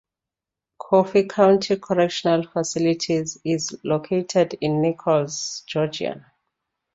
Coffee County Correctional Facility is located in Nicholls, Georgia.